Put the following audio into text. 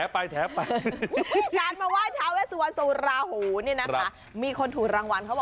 พูดได้ยังไง๓๐บาท